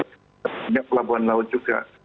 ada juga pelabuhan laut juga